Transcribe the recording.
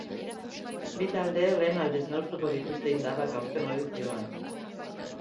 Bi taldeek lehen aldiz neurtuko dituzte indarrak aurtengo edizioan.